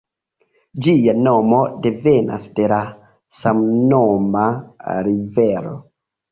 Ĝia nomo devenas de la samnoma rivero.